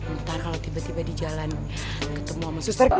ntar kalau tiba tiba di jalan ketemu sama suster